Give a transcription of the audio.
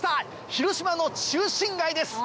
広島の中心街です。